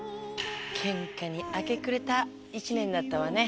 ケンカに明け暮れた一年だったわね。